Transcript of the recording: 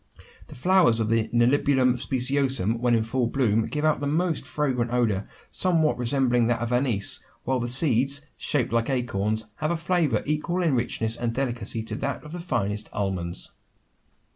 The flowers of the Nelumbium speciosum when in full bloom, give out a most fragrant odour somewhat resembling that of anise; while the seeds, shaped like acorns, have a flavour equal in richness and delicacy to that of the finest almonds.